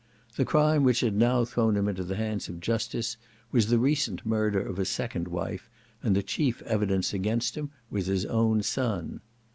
The crime which had now thrown him into the hands of justice was the recent murder of a second wife, and the chief evidence against him was his own son.